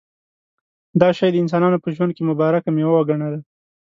دا شی د انسانانو په ژوند کې مبارکه مېوه وګڼله.